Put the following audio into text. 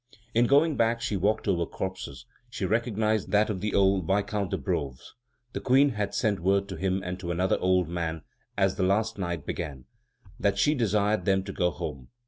In going back she walked over corpses; she recognized that of the old Viscount de Broves. The Queen had sent word to him and to another old man as the last night began, that she desired them to go home.